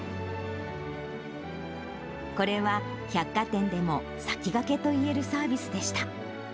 これは、百貨店でも先駆けといえるサービスでした。